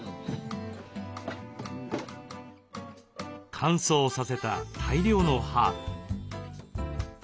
乾燥させた大量のハーブ。